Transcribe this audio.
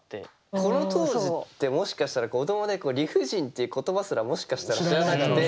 この当時ってもしかしたら子どもで「理不尽」っていう言葉すらもしかしたら知らなくて。